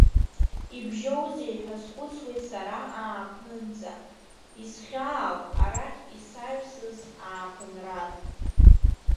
Ибжьоузеи ҳәа схәыцуеит сара ааԥнынӡа, исхьаауп арахь исаҩсыз ааԥынрак…